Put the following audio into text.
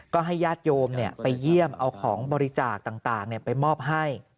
ก็ให้ญาติโยมไปเยี่ยมเอาของบริจาคต่างไปมอบให้